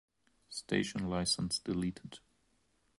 Station license deleted.